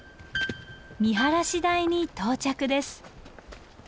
見晴台に到着です。